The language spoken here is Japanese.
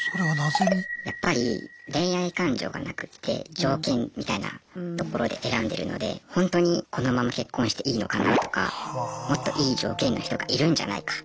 やっぱり恋愛感情がなくて条件みたいなところで選んでるのでほんとにこのまま結婚していいのかなとかもっといい条件の人がいるんじゃないかとか。